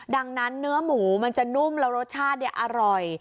ดังนั้นเนื้อหมูมันจะนุ่มแล้วรสชาติอร่อย